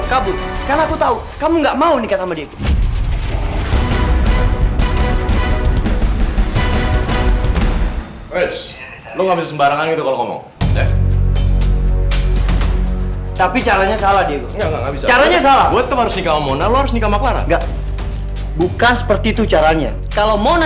salah buat kemarin kamu harus nikah maklumat enggak bukan seperti itu caranya kalau mona